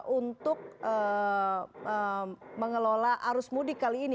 untuk mengelola arus mudik kali ini